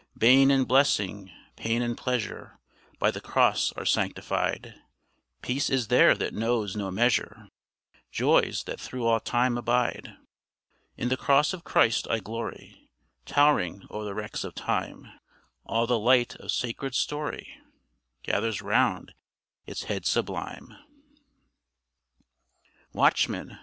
Bane and blessing, pain and pleasure, By the Cross are sanctified; Peace is there that knows no measure, Joys that through all time abide. In the Cross of Christ I glory, Tow'ring o'er the wrecks of time; All the light of sacred story Gathers round its head sublime. WATCHMAN!